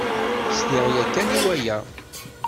Sliɣ ya kan i waya.